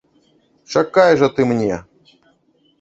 Чакай жа ты мне!